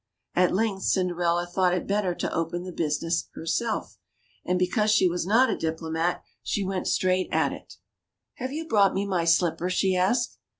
At length Cinderella thought it better to open the business herself ; and because she was not a diplomat, she went straight at it. ^^Have you brought me my slipper?" she asked.